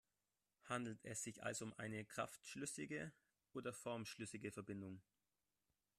Handelt es sich also um eine kraftschlüssige oder formschlüssige Verbindung?